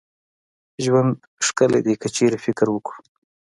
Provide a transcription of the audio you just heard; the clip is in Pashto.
ژوند ښکلې دي که چيري فکر وکړو